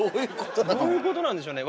どういうことなんでしょうね。